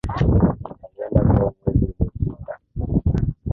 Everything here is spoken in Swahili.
Alienda kwao mwezi uliopita.